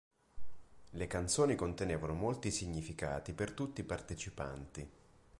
Le canzoni contenevano molti significati per tutti i partecipanti.